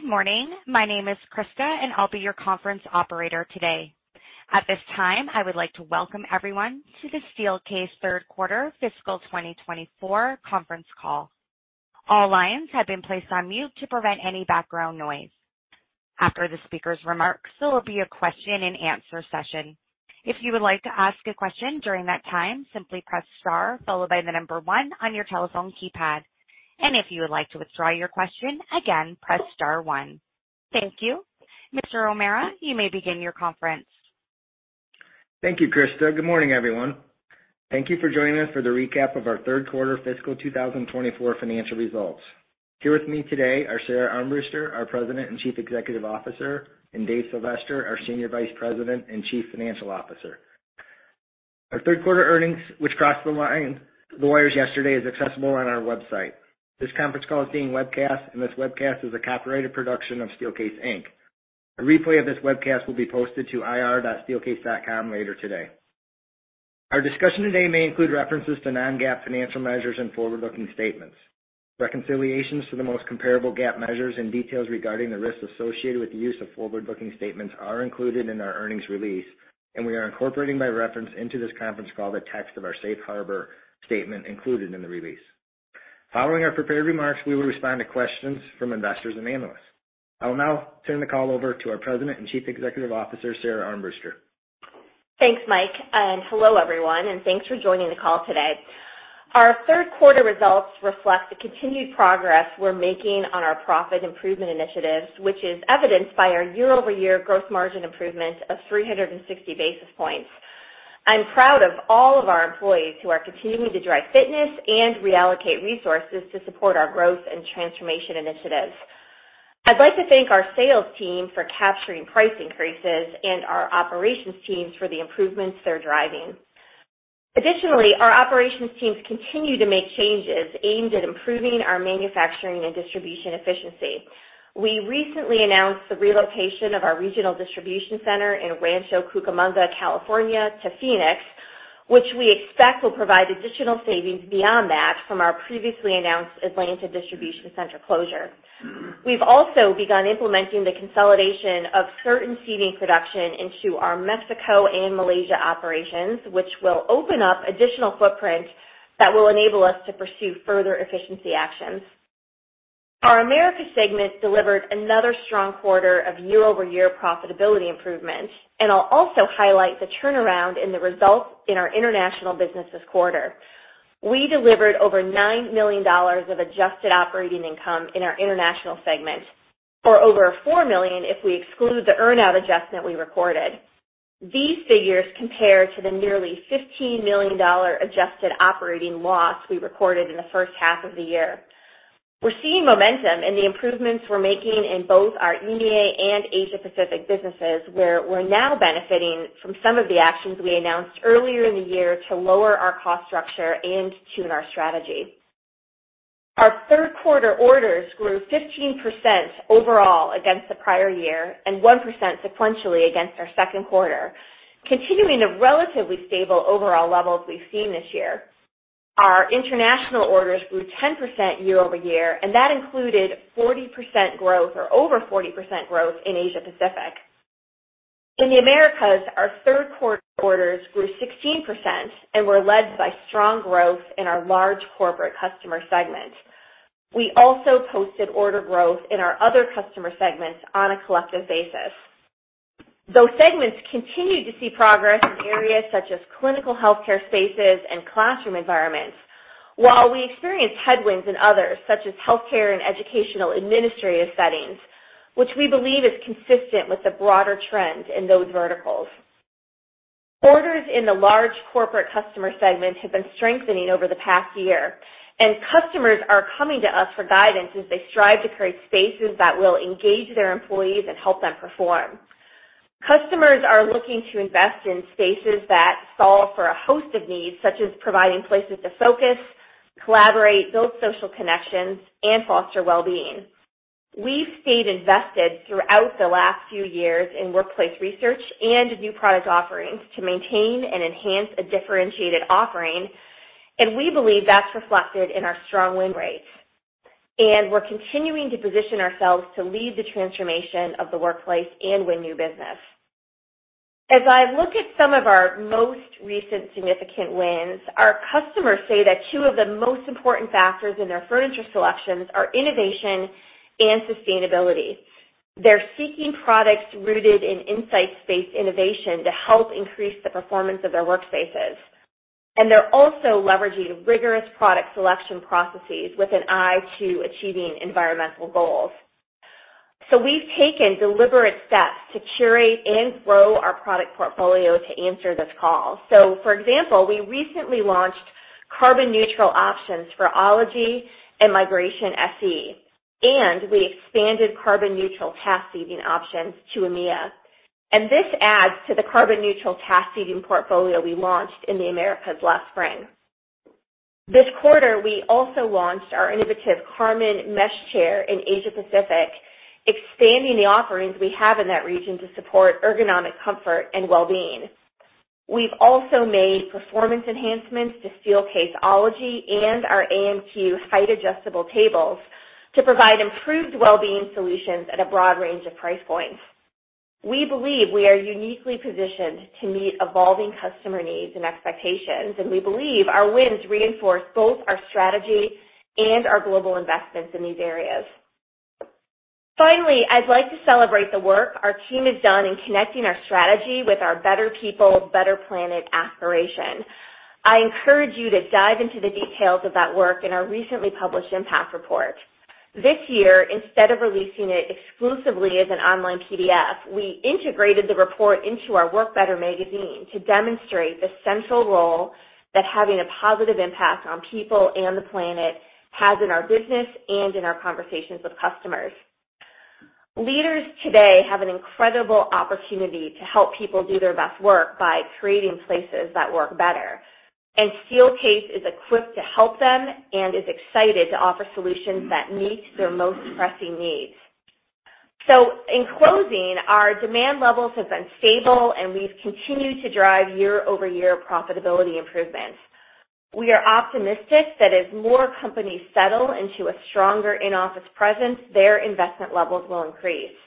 Good morning. My name is Krista, and I'll be your conference operator today. At this time, I would like to welcome everyone to the Steelcase Third Quarter Fiscal 2024 Conference Call. All lines have been placed on mute to prevent any background noise. After the speaker's remarks, there will be a question-and-answer session. If you would like to ask a question during that time, simply press star followed by the number one on your telephone keypad. And if you would like to withdraw your question, again, press star one. Thank you. Mr. O'Meara, you may begin your conference. Thank you, Krista. Good morning, everyone. Thank you for joining us for the recap of our Third Quarter Fiscal 2024 Financial Results. Here with me today are Sara Armbruster, our President and Chief Executive Officer, and Dave Sylvester, our Senior Vice President and Chief Financial Officer. Our third quarter earnings, which crossed the line, the wires yesterday, is accessible on our website. This conference call is being webcast, and this webcast is a copyrighted production of Steelcase Inc. A replay of this webcast will be posted to ir.steelcase.com later today. Our discussion today may include references to non-GAAP financial measures and forward-looking statements. Reconciliations to the most comparable GAAP measures and details regarding the risks associated with the use of forward-looking statements are included in our earnings release, and we are incorporating by reference into this conference call the text of our safe harbor statement included in the release. Following our prepared remarks, we will respond to questions from investors and analysts. I will now turn the call over to our President and Chief Executive Officer, Sara Armbruster. Thanks, Mike, and hello, everyone, and thanks for joining the call today. Our third quarter results reflect the continued progress we're making on our profit improvement initiatives, which is evidenced by our year-over-year gross margin improvement of 360 basis points. I'm proud of all of our employees who are continuing to drive fitness and reallocate resources to support our growth and transformation initiatives. I'd like to thank our sales team for capturing price increases and our operations teams for the improvements they're driving. Additionally, our operations teams continue to make changes aimed at improving our manufacturing and distribution efficiency. We recently announced the relocation of our regional distribution center in Rancho Cucamonga, California, to Phoenix, which we expect will provide additional savings beyond that from our previously announced Atlanta distribution center closure. We've also begun implementing the consolidation of certain seating production into our Mexico and Malaysia operations, which will open up additional footprint that will enable us to pursue further efficiency actions. Our America segment delivered another strong quarter of year-over-year profitability improvement, and I'll also highlight the turnaround in the results in our international business this quarter. We delivered over $9 million of adjusted operating income in our international segment, or over $4 million if we exclude the earn-out adjustment we recorded. These figures compare to the nearly $15 million adjusted operating loss we recorded in the first half of the year. We're seeing momentum in the improvements we're making in both our EMEA and Asia Pacific businesses, where we're now benefiting from some of the actions we announced earlier in the year to lower our cost structure and tune our strategy. Our third quarter orders grew 15% overall against the prior year and 1% sequentially against our second quarter, continuing the relatively stable overall levels we've seen this year. Our international orders grew 10% year-over-year, and that included 40% growth, or over 40% growth in Asia Pacific. In the Americas, our third quarter orders grew 16% and were led by strong growth in our large corporate customer segment. We also posted order growth in our other customer segments on a collective basis. Those segments continued to see progress in areas such as clinical healthcare spaces and classroom environments, while we experienced headwinds in others, such as healthcare and educational administrative settings, which we believe is consistent with the broader trends in those verticals. Orders in the large corporate customer segment have been strengthening over the past year, and customers are coming to us for guidance as they strive to create spaces that will engage their employees and help them perform. Customers are looking to invest in spaces that solve for a host of needs, such as providing places to focus, collaborate, build social connections, and foster well-being. We've stayed invested throughout the last few years in workplace research and new product offerings to maintain and enhance a differentiated offering, and we believe that's reflected in our strong win rates. We're continuing to position ourselves to lead the transformation of the workplace and win new business. As I look at some of our most recent significant wins, our customers say that two of the most important factors in their furniture selections are innovation and sustainability. They're seeking products rooted in insight-based innovation to help increase the performance of their workspaces, and they're also leveraging rigorous product selection processes with an eye to achieving environmental goals. So we've taken deliberate steps to curate and grow our product portfolio to answer this call. So, for example, we recently launched CarbonNeutral options for Ology and Migration SE, and we expanded CarbonNeutral task seating options to EMEA. And this adds to the CarbonNeutral task seating portfolio we launched in the Americas last spring. This quarter, we also launched our innovative Karman mesh chair in Asia Pacific, expanding the offerings we have in that region to support ergonomic comfort and well-being.... We've also made performance enhancements to Steelcase Ology and our AMQ height-adjustable tables to provide improved well-being solutions at a broad range of price points. We believe we are uniquely positioned to meet evolving customer needs and expectations, and we believe our wins reinforce both our strategy and our global investments in these areas. Finally, I'd like to celebrate the work our team has done in connecting our strategy with our Better People, Better Planet aspiration. I encourage you to dive into the details of that work in our recently published Impact Report. This year, instead of releasing it exclusively as an online PDF, we integrated the report into our Work Better magazine to demonstrate the central role that having a positive impact on people and the planet has in our business and in our conversations with customers. Leaders today have an incredible opportunity to help people do their best work by creating places that work better, and Steelcase is equipped to help them and is excited to offer solutions that meet their most pressing needs. So in closing, our demand levels have been stable, and we've continued to drive year-over-year profitability improvements. We are optimistic that as more companies settle into a stronger in-office presence, their investment levels will increase.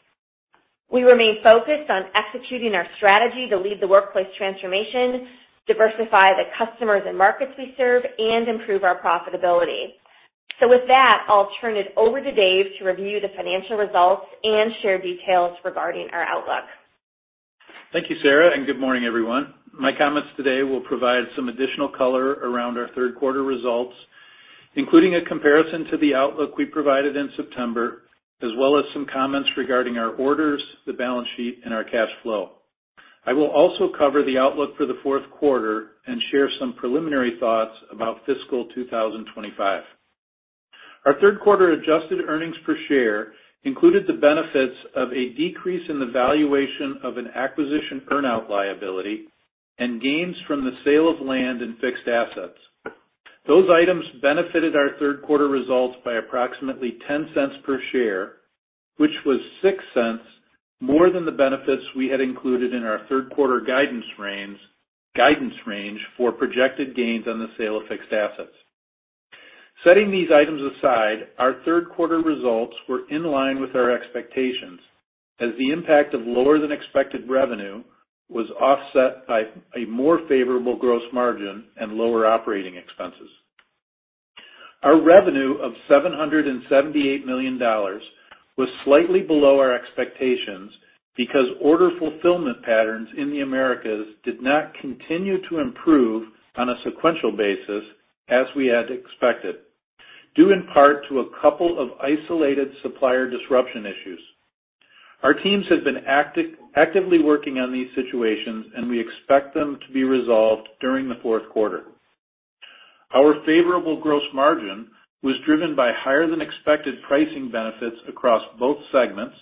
We remain focused on executing our strategy to lead the workplace transformation, diversify the customers and markets we serve, and improve our profitability. So with that, I'll turn it over to Dave to review the financial results and share details regarding our outlook. Thank you, Sara, and good morning, everyone. My comments today will provide some additional color around our third quarter results, including a comparison to the outlook we provided in September, as well as some comments regarding our orders, the balance sheet, and our cash flow. I will also cover the outlook for the fourth quarter and share some preliminary thoughts about fiscal 2025. Our third quarter adjusted earnings per share included the benefits of a decrease in the valuation of an acquisition earn-out liability and gains from the sale of land and fixed assets. Those items benefited our third quarter results by approximately $0.10 per share, which was $0.06 more than the benefits we had included in our third quarter guidance range for projected gains on the sale of fixed assets. Setting these items aside, our third quarter results were in line with our expectations, as the impact of lower-than-expected revenue was offset by a more favorable gross margin and lower operating expenses. Our revenue of $778 million was slightly below our expectations because order fulfillment patterns in the Americas did not continue to improve on a sequential basis as we had expected, due in part to a couple of isolated supplier disruption issues. Our teams have been actively working on these situations, and we expect them to be resolved during the fourth quarter. Our favorable gross margin was driven by higher-than-expected pricing benefits across both segments,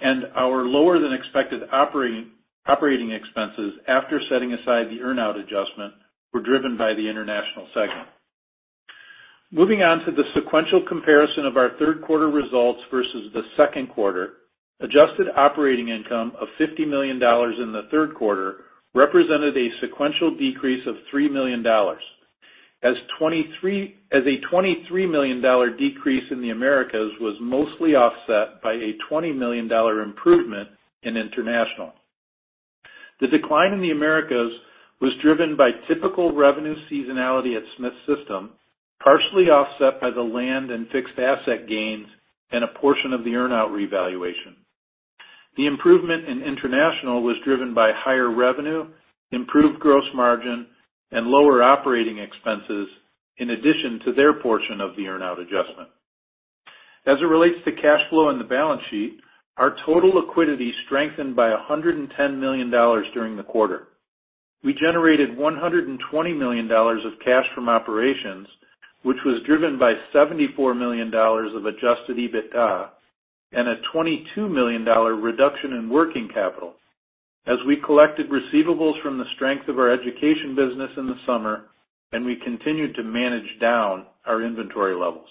and our lower-than-expected operating expenses, after setting aside the earn-out adjustment, were driven by the international segment. Moving on to the sequential comparison of our third quarter results versus the second quarter. Adjusted operating income of $50 million in the third quarter represented a sequential decrease of $3 million. As a $23 million decrease in the Americas was mostly offset by a $20 million improvement in international. The decline in the Americas was driven by typical revenue seasonality at Smith System, partially offset by the land and fixed asset gains and a portion of the earn-out revaluation. The improvement in international was driven by higher revenue, improved gross margin, and lower operating expenses, in addition to their portion of the earn-out adjustment. As it relates to cash flow on the balance sheet, our total liquidity strengthened by $110 million during the quarter. We generated $120 million of cash from operations, which was driven by $74 million of adjusted EBITDA and a $22 million reduction in working capital, as we collected receivables from the strength of our education business in the summer, and we continued to manage down our inventory levels.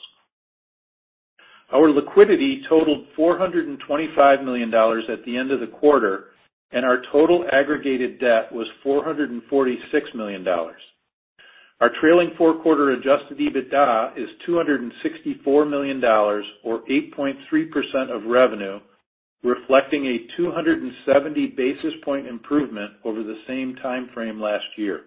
Our liquidity totaled $425 million at the end of the quarter, and our total aggregated debt was $446 million. Our trailing four-quarter adjusted EBITDA is $264 million, or 8.3% of revenue, reflecting a 270 basis point improvement over the same time frame last year.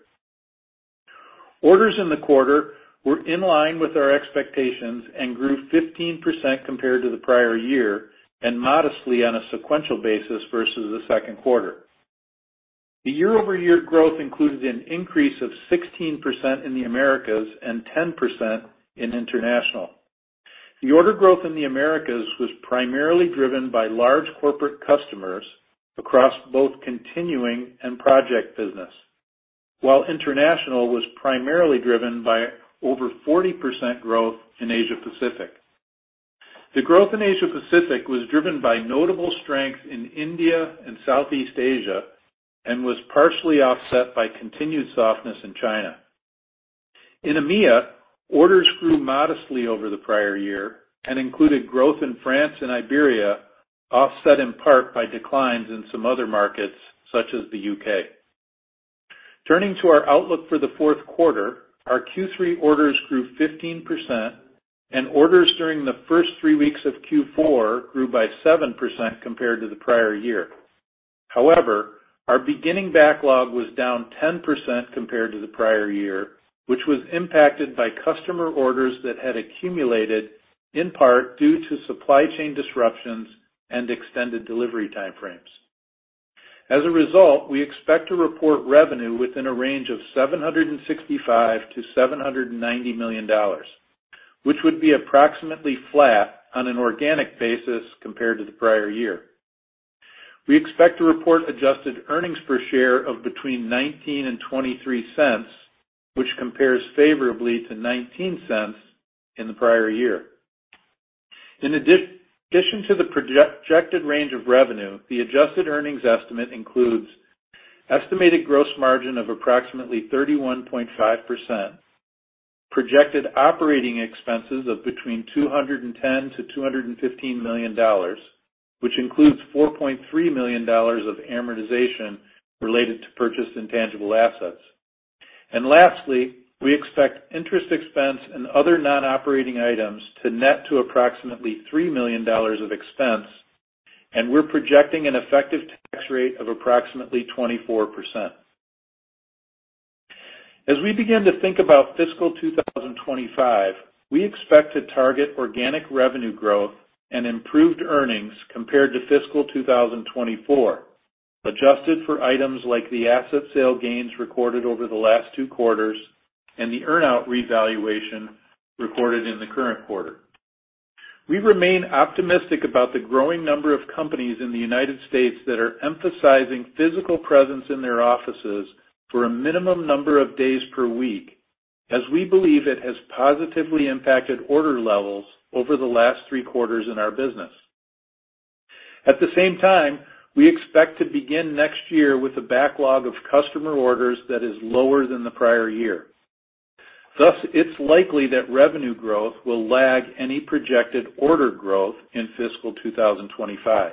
Orders in the quarter were in line with our expectations and grew 15% compared to the prior year and modestly on a sequential basis versus the second quarter. The year-over-year growth included an increase of 16% in the Americas and 10% in international. The order growth in the Americas was primarily driven by large corporate customers across both continuing and project business, while international was primarily driven by over 40% growth in Asia Pacific. The growth in Asia Pacific was driven by notable strength in India and Southeast Asia and was partially offset by continued softness in China. In EMEA, orders grew modestly over the prior year and included growth in France and Iberia, offset in part by declines in some other markets, such as the UK. Turning to our outlook for the fourth quarter, our Q3 orders grew 15%, and orders during the first three weeks of Q4 grew by 7% compared to the prior year. However, our beginning backlog was down 10% compared to the prior year, which was impacted by customer orders that had accumulated, in part, due to supply chain disruptions and extended delivery time frames. As a result, we expect to report revenue within a range of $765 million-$790 million, which would be approximately flat on an organic basis compared to the prior year. We expect to report adjusted earnings per share of between $0.19-$0.23, which compares favorably to $0.19 in the prior year. In addition to the projected range of revenue, the adjusted earnings estimate includes estimated gross margin of approximately 31.5%, projected operating expenses of between $210 million-$215 million, which includes $4.3 million of amortization related to purchased intangible assets. Lastly, we expect interest expense and other non-operating items to net to approximately $3 million of expense, and we're projecting an effective tax rate of approximately 24%. As we begin to think about fiscal 2025, we expect to target organic revenue growth and improved earnings compared to fiscal 2024, adjusted for items like the asset sale gains recorded over the last two quarters and the earn-out revaluation recorded in the current quarter. We remain optimistic about the growing number of companies in the United States that are emphasizing physical presence in their offices for a minimum number of days per week, as we believe it has positively impacted order levels over the last three quarters in our business. At the same time, we expect to begin next year with a backlog of customer orders that is lower than the prior year. Thus, it's likely that revenue growth will lag any projected order growth in fiscal 2025.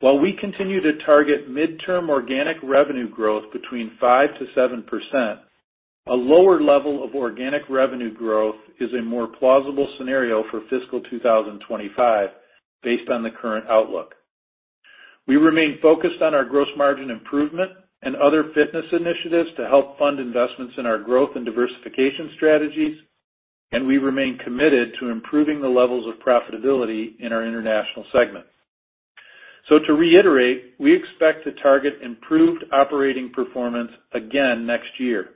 While we continue to target midterm organic revenue growth between 5%-7%, a lower level of organic revenue growth is a more plausible scenario for fiscal 2025 based on the current outlook. We remain focused on our gross margin improvement and other fitness initiatives to help fund investments in our growth and diversification strategies, and we remain committed to improving the levels of profitability in our international segment. So to reiterate, we expect to target improved operating performance again next year,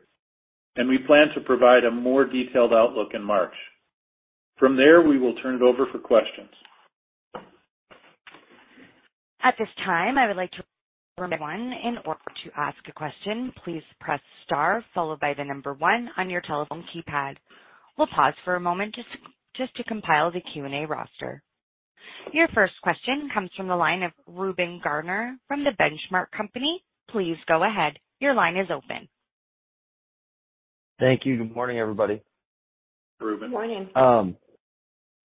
and we plan to provide a more detailed outlook in March. From there, we will turn it over for questions. At this time, I would like to remind everyone, in order to ask a question, please press star followed by the number one on your telephone keypad. We'll pause for a moment, just to compile the Q&A roster. Your first question comes from the line of Reuben Garner from The Benchmark Company. Please go ahead. Your line is open. Thank you. Good morning, everybody. Ruben. Good morning.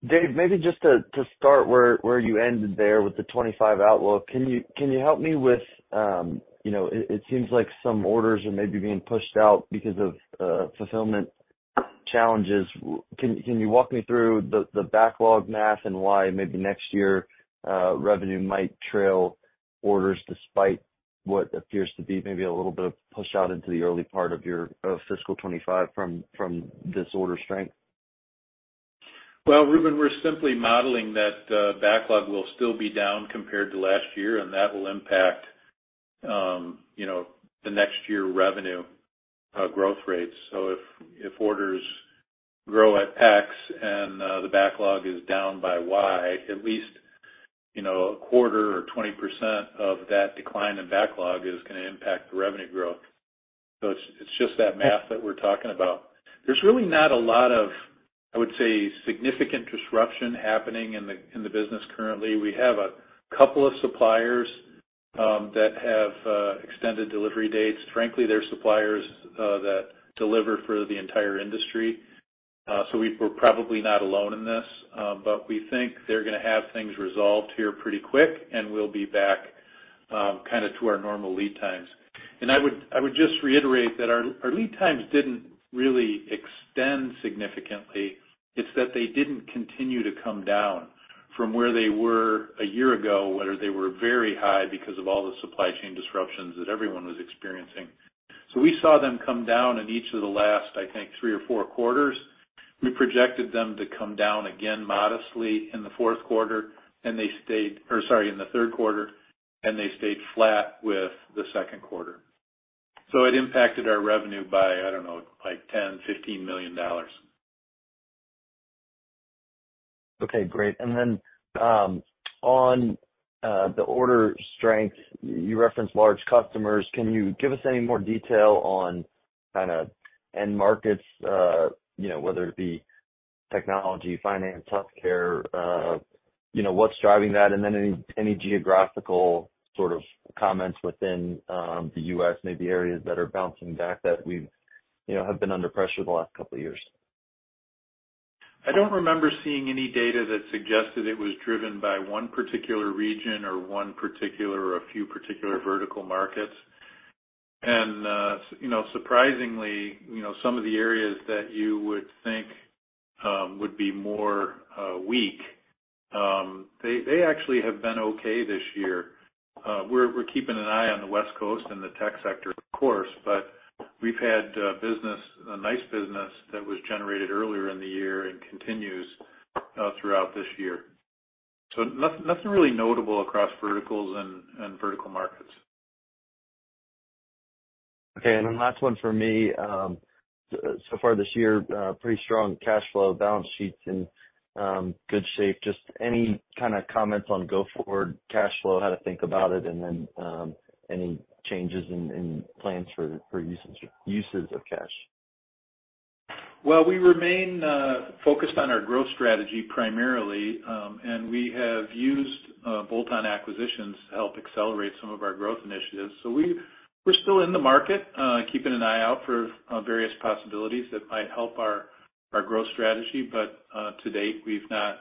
Dave, maybe just to start where you ended there with the 25 outlook, can you help me with, you know, it seems like some orders are maybe being pushed out because of fulfillment challenges. Can you walk me through the backlog math and why maybe next year revenue might trail orders despite what appears to be maybe a little bit of push out into the early part of your fiscal 25 from this order strength? Well, Ruben, we're simply modeling that backlog will still be down compared to last year, and that will impact you know the next year revenue growth rates. So if orders grow at X and the backlog is down by Y, at least you know a quarter or 20% of that decline in backlog is gonna impact the revenue growth. So it's just that math that we're talking about. There's really not a lot of, I would say, significant disruption happening in the business currently. We have a couple of suppliers that have extended delivery dates. Frankly, they're suppliers that deliver for the entire industry. We're probably not alone in this, but we think they're gonna have things resolved here pretty quick, and we'll be back kinda to our normal lead times. And I would, I would just reiterate that our, our lead times didn't really extend significantly. It's that they didn't continue to come down from where they were a year ago, where they were very high because of all the supply chain disruptions that everyone was experiencing. So we saw them come down in each of the last, I think, 3 or 4 quarters. We projected them to come down again modestly in the fourth quarter, and they stayed... Or sorry, in the third quarter, and they stayed flat with the second quarter. So it impacted our revenue by, I don't know, like $10 million-$15 million. Okay, great. And then on the order strength, you referenced large customers. Can you give us any more detail on kinda end markets? You know, whether it be technology, finance, healthcare, you know, what's driving that? And then any geographical sort of comments within the U.S., maybe areas that are bouncing back that we've, you know, have been under pressure the last couple of years? I don't remember seeing any data that suggested it was driven by one particular region or one particular, or a few particular vertical markets. You know, surprisingly, you know, some of the areas that you would think would be more weak, they actually have been okay this year. We're keeping an eye on the West Coast and the tech sector, of course, but we've had business, a nice business that was generated earlier in the year and continues throughout this year. Nothing really notable across verticals and vertical markets. Okay. And then last one for me. So far this year, pretty strong cash flow, balance sheets in good shape. Just any kind of comments on go forward cash flow, how to think about it, and then any changes in plans for uses of cash? Well, we remain focused on our growth strategy primarily. And we have used bolt-on acquisitions to help accelerate some of our growth initiatives. So we're still in the market, keeping an eye out for various possibilities that might help our growth strategy. But to date, we've not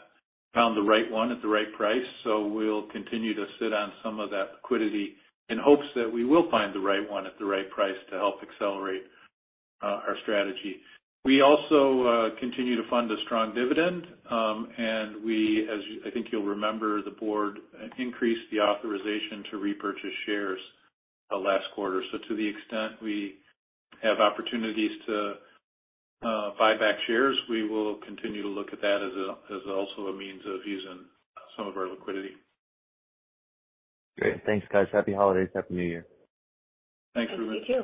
found the right one at the right price. So we'll continue to sit on some of that liquidity in hopes that we will find the right one at the right price to help accelerate our strategy. We also continue to fund a strong dividend. And we, as I think you'll remember, the board increased the authorization to repurchase shares last quarter. So to the extent we have opportunities to buy back shares, we will continue to look at that as also a means of using some of our liquidity. Great. Thanks, guys. Happy holidays. Happy New Year. Thanks, Ruben. Thank you.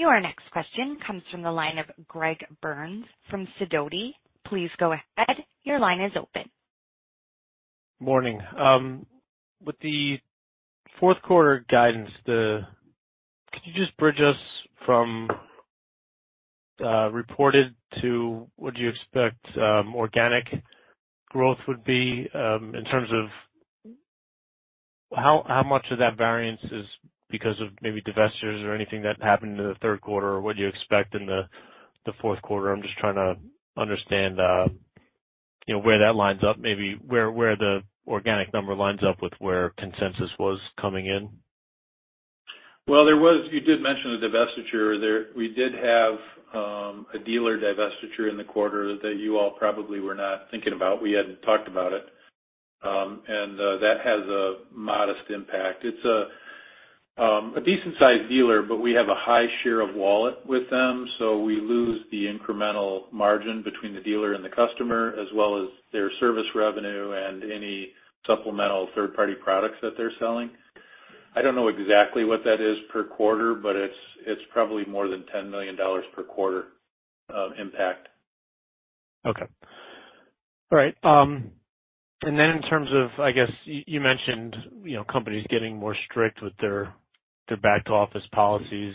Your next question comes from the line of Greg Burns from Sidoti. Please go ahead. Your line is open. Morning. With the fourth quarter guidance, the—could you just bridge us from reported to what you expect organic growth would be? In terms of how much of that variance is because of maybe divestitures or anything that happened in the third quarter, or what do you expect in the fourth quarter? I'm just trying to understand, you know, where that lines up, maybe where the organic number lines up with where consensus was coming in. Well, there was... You did mention the divestiture there. We did have, a dealer divestiture in the quarter that you all probably were not thinking about. We hadn't talked about it. And, that has a modest impact. It's a, a decent-sized dealer, but we have a high share of wallet with them, so we lose the incremental margin between the dealer and the customer, as well as their service revenue and any supplemental third-party products that they're selling. I don't know exactly what that is per quarter, but it's, it's probably more than $10 million per quarter, impact. Okay. All right. And then in terms of, I guess, you mentioned, you know, companies getting more strict with their back-to-office policies.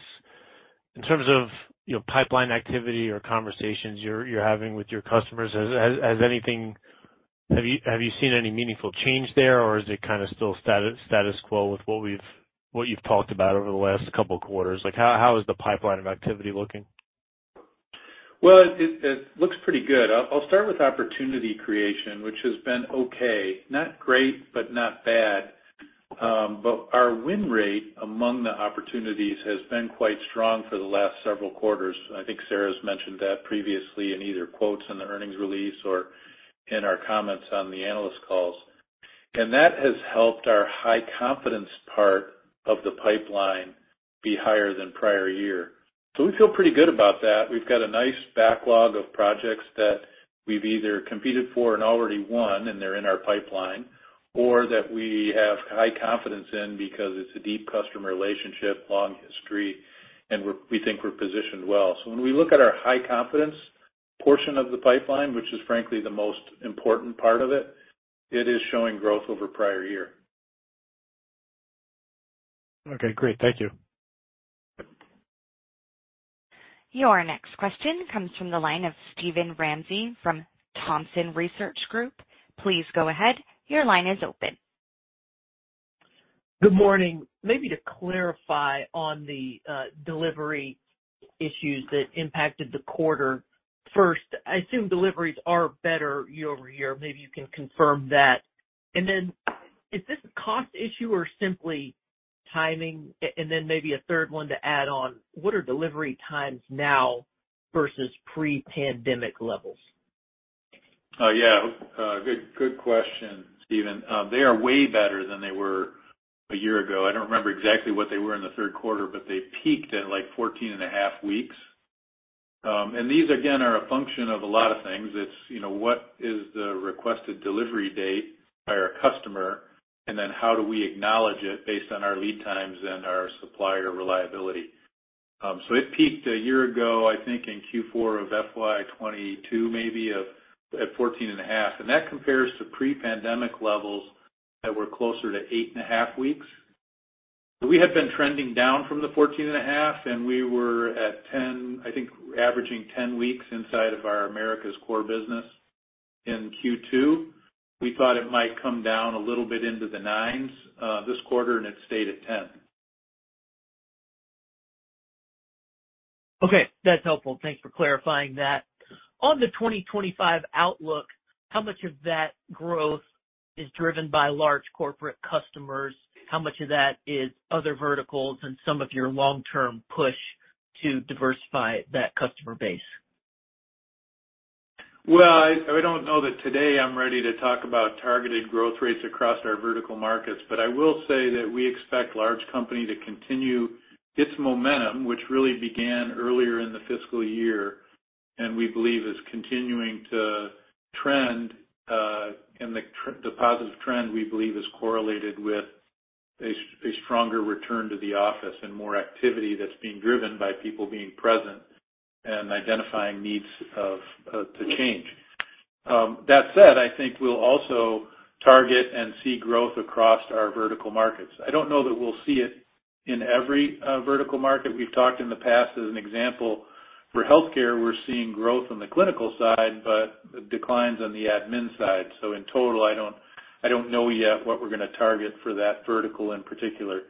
In terms of, you know, pipeline activity or conversations you're having with your customers, has anything, have you seen any meaningful change there, or is it kind of still status quo with what you've talked about over the last couple of quarters? Like, how is the pipeline of activity looking? Well, it looks pretty good. I'll start with opportunity creation, which has been okay. Not great, but not bad. But our win rate among the opportunities has been quite strong for the last several quarters. I think Sara's mentioned that previously in either quotes in the earnings release or in our comments on the analyst calls. And that has helped our high confidence part of the pipeline be higher than prior year. So we feel pretty good about that. We've got a nice backlog of projects that we've either competed for and already won, and they're in our pipeline, or that we have high confidence in because it's a deep customer relationship, long history, and we think we're positioned well. So when we look at our high confidence portion of the pipeline, which is frankly the most important part of it, it is showing growth over prior year. Okay, great. Thank you. Yep. Your next question comes from the line of Steven Ramsey from Thompson Research Group. Please go ahead. Your line is open. Good morning. Maybe to clarify on the delivery issues that impacted the quarter. First, I assume deliveries are better year-over-year. Maybe you can confirm that. And then, is this a cost issue or simply timing? And then maybe a third one to add on, what are delivery times now versus pre-pandemic levels? Oh, yeah. Good, good question, Steven. They are way better than they were a year ago. I don't remember exactly what they were in the third quarter, but they peaked at, like, 14.5 weeks. And these, again, are a function of a lot of things. It's, you know, what is the requested delivery date by our customer, and then how do we acknowledge it based on our lead times and our supplier reliability? So it peaked a year ago, I think, in Q4 of FY 2022, maybe of... at 14.5, and that compares to pre-pandemic levels that were closer to 8.5 weeks.... We had been trending down from the 14.5, and we were at 10, I think averaging 10 weeks inside of our Americas core business in Q2. We thought it might come down a little bit into the nines, this quarter, and it stayed at 10. Okay, that's helpful. Thanks for clarifying that. On the 2025 outlook, how much of that growth is driven by large corporate customers? How much of that is other verticals and some of your long-term push to diversify that customer base? Well, I don't know that today I'm ready to talk about targeted growth rates across our vertical markets, but I will say that we expect large company to continue its momentum, which really began earlier in the fiscal year and we believe is continuing to trend, and the positive trend, we believe, is correlated with a stronger return to the office and more activity that's being driven by people being present and identifying needs of to change. That said, I think we'll also target and see growth across our vertical markets. I don't know that we'll see it in every vertical market. We've talked in the past as an example, for healthcare, we're seeing growth on the clinical side, but declines on the admin side. So in total, I don't know yet what we're gonna target for that vertical in particular.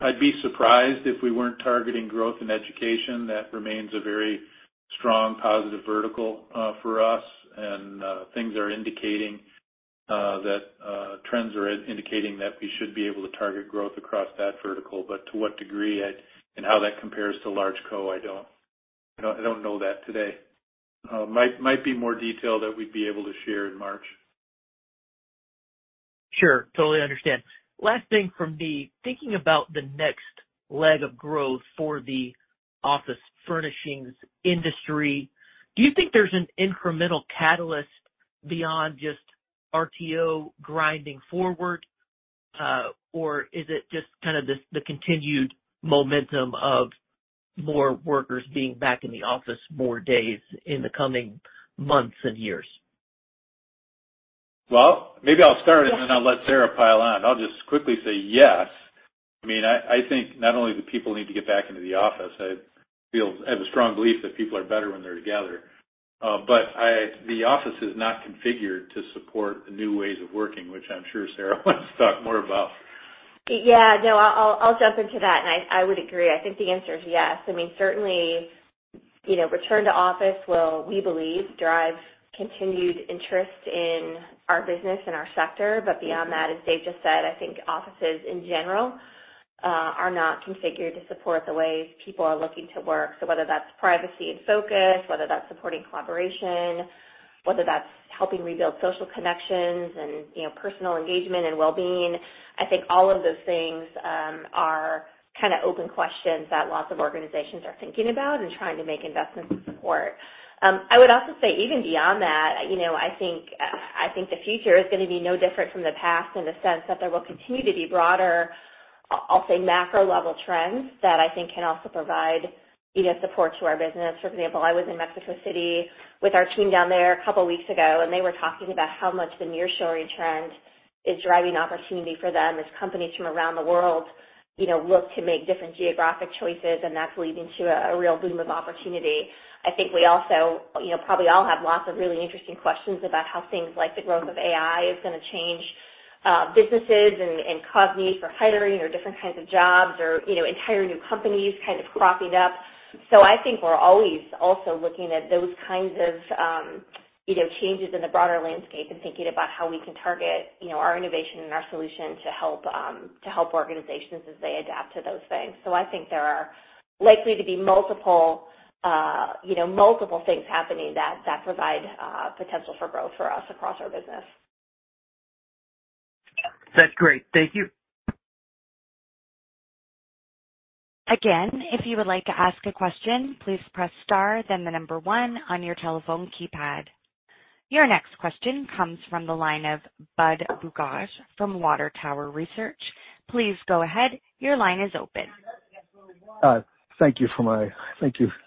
I'd be surprised if we weren't targeting growth in education. That remains a very strong positive vertical for us, and things are indicating that trends are indicating that we should be able to target growth across that vertical. But to what degree, I, and how that compares to large co, I don't know that today. Might be more detail that we'd be able to share in March. Sure. Totally understand. Last thing from me, thinking about the next leg of growth for the office furnishings industry, do you think there's an incremental catalyst beyond just RTO grinding forward, or is it just kind of this, the continued momentum of more workers being back in the office more days in the coming months and years? Well, maybe I'll start, and then I'll let Sara pile on. I'll just quickly say, yes. I mean, I think not only do people need to get back into the office, I feel... I have a strong belief that people are better when they're together. But the office is not configured to support the new ways of working, which I'm sure Sara wants to talk more about. Yeah, no, I'll jump into that, and I would agree. I think the answer is yes. I mean, certainly, you know, return to office will, we believe, drive continued interest in our business and our sector. But beyond that, as Dave just said, I think offices in general are not configured to support the ways people are looking to work. So whether that's privacy and focus, whether that's supporting collaboration, whether that's helping rebuild social connections and, you know, personal engagement and well-being, I think all of those things are kind of open questions that lots of organizations are thinking about and trying to make investments to support. I would also say even beyond that, you know, I think, I think the future is gonna be no different from the past in the sense that there will continue to be broader, I'll say, macro-level trends that I think can also provide, you know, support to our business. For example, I was in Mexico City with our team down there a couple weeks ago, and they were talking about how much the nearshoring trend is driving opportunity for them as companies from around the world, you know, look to make different geographic choices, and that's leading to a real boom of opportunity. I think we also, you know, probably all have lots of really interesting questions about how things like the growth of AI is gonna change businesses and cause need for hiring or different kinds of jobs or, you know, entire new companies kind of cropping up. So I think we're always also looking at those kinds of, you know, changes in the broader landscape and thinking about how we can target, you know, our innovation and our solution to help to help organizations as they adapt to those things. So I think there are likely to be multiple, you know, multiple things happening that provide potential for growth for us across our business. That's great. Thank you. Again, if you would like to ask a question, please press star, then the number one on your telephone keypad. Your next question comes from the line of Budd Bugatch from Water Tower Research. Please go ahead. Your line is open. Thank you.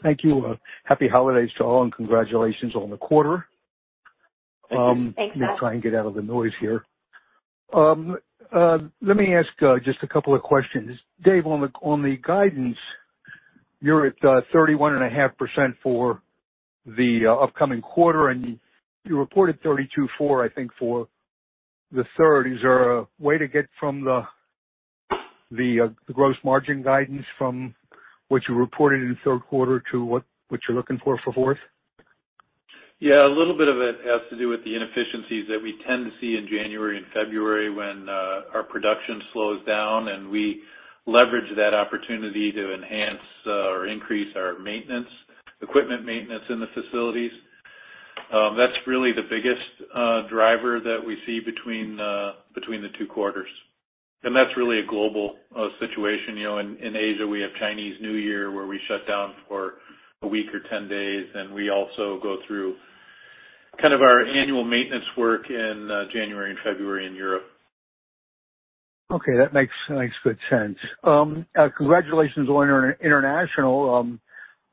Thank you. Happy holidays to all, and congratulations on the quarter. Um, Thanks, Budd. Let me try and get out of the noise here. Let me ask just a couple of questions. Dave, on the, on the guidance, you're at 31.5% for the upcoming quarter, and you reported 32.4%, I think, for the third. Is there a way to get from the the gross margin guidance from what you reported in the third quarter to what you're looking for for fourth? Yeah, a little bit of it has to do with the inefficiencies that we tend to see in January and February when our production slows down, and we leverage that opportunity to enhance or increase our maintenance, equipment maintenance in the facilities. That's really the biggest driver that we see between the two quarters, and that's really a global situation. You know, in Asia, we have Chinese New Year, where we shut down for a week or 10 days, and we also go through kind of our annual maintenance work in January and February in Europe. Okay. That makes good sense. Congratulations on International.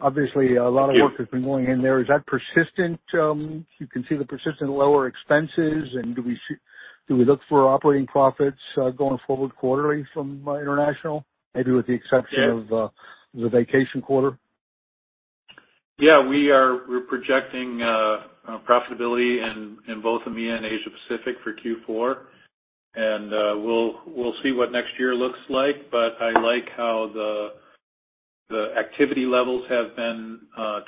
Obviously, a lot of work has been going in there. Is that persistent? You can see the persistent lower expenses, and do we look for operating profits going forward quarterly from International, maybe with the exception of the vacation quarter? Yeah, we are. We're projecting profitability in both EMEA and Asia Pacific for Q4. And we'll see what next year looks like. But I like how the activity levels have been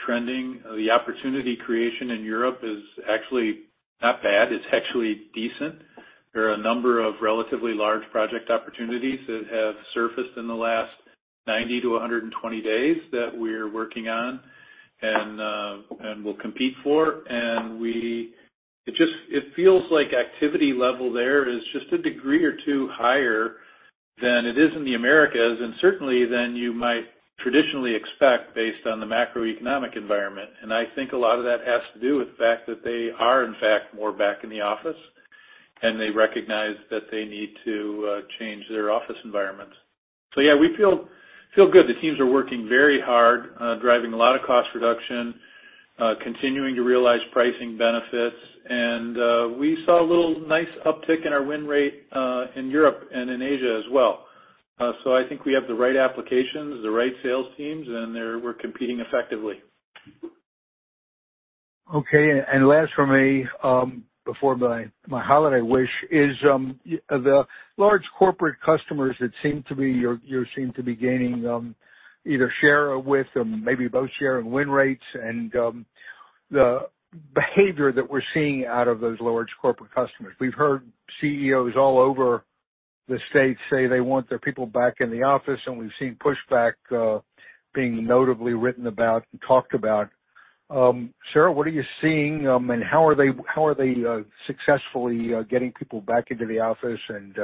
trending. The opportunity creation in Europe is actually not bad. It's actually decent. There are a number of relatively large project opportunities that have surfaced in the last 90-120 days that we're working on and we'll compete for. It just feels like activity level there is just a degree or two higher than it is in the Americas, and certainly than you might traditionally expect, based on the macroeconomic environment. I think a lot of that has to do with the fact that they are, in fact, more back in the office, and they recognize that they need to change their office environments. So yeah, we feel good. The teams are working very hard, driving a lot of cost reduction, continuing to realize pricing benefits. We saw a little nice uptick in our win rate in Europe and in Asia as well. So I think we have the right applications, the right sales teams, and we're competing effectively. Okay, and last from me, before my holiday wish is, the large corporate customers that seem to be your—you seem to be gaining, either share or win, or maybe both share and win rates, and, the behavior that we're seeing out of those large corporate customers. We've heard CEOs all over the States say they want their people back in the office, and we've seen pushback, being notably written about and talked about. Sara, what are you seeing, and how are they successfully getting people back into the office, and,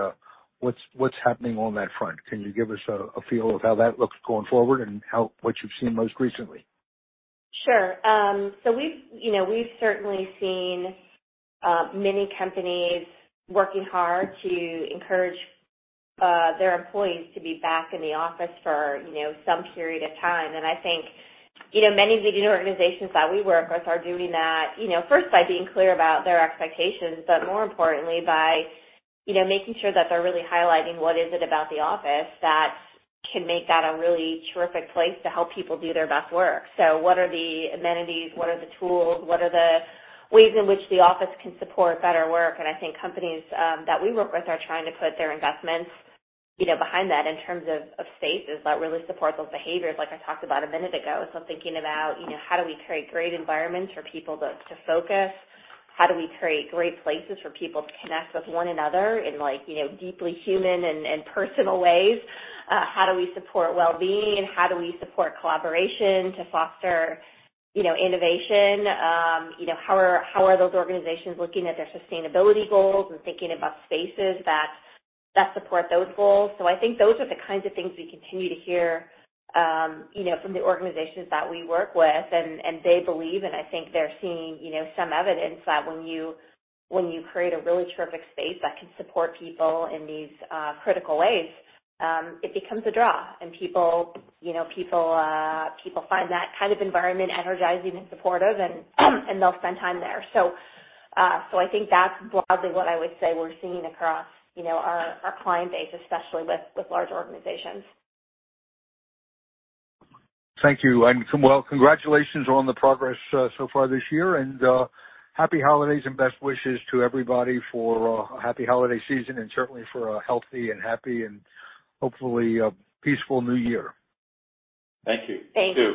what's happening on that front? Can you give us a feel of how that looks going forward and what you've seen most recently? Sure. So we've, you know, we've certainly seen many companies working hard to encourage their employees to be back in the office for, you know, some period of time. And I think, you know, many of the organizations that we work with are doing that, you know, first by being clear about their expectations, but more importantly, by, you know, making sure that they're really highlighting what is it about the office that can make that a really terrific place to help people do their best work. So what are the amenities? What are the tools? What are the ways in which the office can support better work? And I think companies that we work with are trying to put their investments, you know, behind that in terms of of spaces that really support those behaviors, like I talked about a minute ago. So thinking about, you know, how do we create great environments for people to, to focus? How do we create great places for people to connect with one another in like, you know, deeply human and, and personal ways? How do we support well-being? How do we support collaboration to foster, you know, innovation? You know, how are, how are those organizations looking at their sustainability goals and thinking about spaces that, that support those goals? So I think those are the kinds of things we continue to hear, you know, from the organizations that we work with. And, and they believe, and I think they're seeing, you know, some evidence that when you, when you create a really terrific space that can support people in these, critical ways, it becomes a draw. People, you know, people find that kind of environment energizing and supportive, and they'll spend time there. So, I think that's broadly what I would say we're seeing across, you know, our client base, especially with large organizations. Thank you, and well, congratulations on the progress so far this year, and happy holidays and best wishes to everybody for a happy holiday season and certainly for a healthy and happy and hopefully a peaceful new year. Thank you. Thank you. Thank you.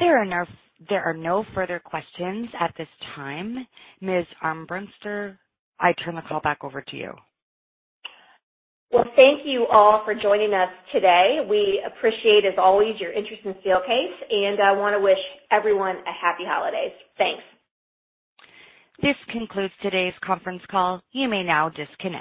There are no, there are no further questions at this time. Ms. Armbruster, I turn the call back over to you. Well, thank you all for joining us today. We appreciate, as always, your interest in Steelcase, and I want to wish everyone a happy holidays. Thanks. This concludes today's conference call. You may now disconnect.